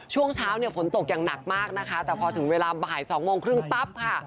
ช่วงเช้าเนี่ยฝนตกอย่างหนักมากนะคะแต่พอถึงเวลาบ่าย๒โมงครึ่งปั๊บค่ะ